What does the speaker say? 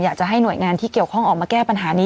อยากจะให้หน่วยงานที่เกี่ยวข้องออกมาแก้ปัญหานี้